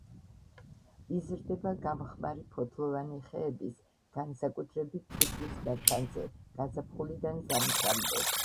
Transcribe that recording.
იზრდება გამხმარი ფოთლოვანი ხეების, განსაკუთრებით წიფლის მერქანზე გაზაფხულიდან ზამთრამდე.